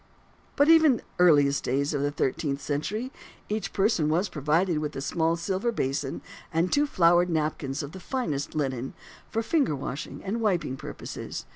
But even in the earliest days of the thirteenth century, each person was provided with a small silver basin and two flowered napkins of the finest linen, for finger washing and wiping purposes.